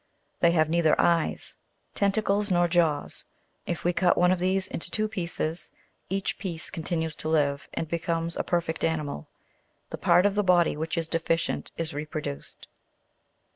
They have neither eyes, tenta cles, nor jaws. If we cut one of these into two pieces, each piece continues to live, and becomes a perfect animal ; the part of the body which is deficient is reproduced.